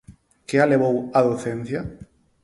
Que a levou á docencia?